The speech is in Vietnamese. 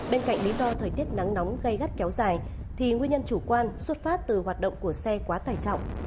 bên cạnh lý do thời tiết nắng nóng gây gắt kéo dài thì nguyên nhân chủ quan xuất phát từ hoạt động của xe quá tải trọng